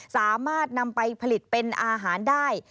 สามารถนำไปผลิตเป็นอาหารได้